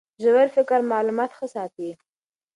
ژور فکر معلومات ښه ساتي.